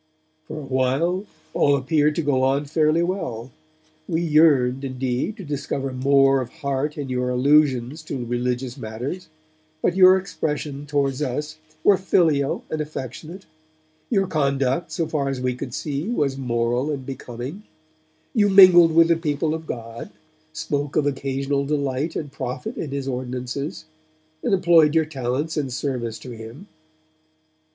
'For a while, all appeared to go on fairly well: we yearned, indeed, to discover more of heart in your allusions to religious matters, but your expressions towards us were filial and affectionate; your conduct, so far as we could see, was moral and becoming; you mingled with the people of God, spoke of occasional delight and profit in His ordinances; and employed your talents in service to Him.